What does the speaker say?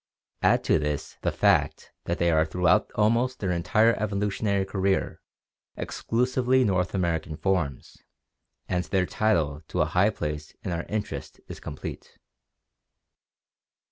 Add to this the fact that they are throughout almost their entire evolution ary career exclusively North American forms, and their title to a high place in our interest is complete.